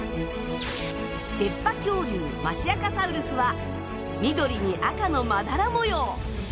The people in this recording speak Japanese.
出っ歯恐竜マシアカサウルスは緑に赤のまだら模様。